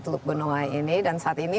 teluk benoa ini dan saat ini